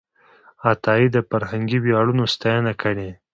عطایي د فرهنګي ویاړونو ستاینه کړې ده.